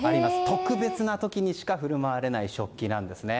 特別な時にしか振る舞われない食器です。